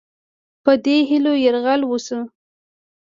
په دې هیلو یرغل وشو.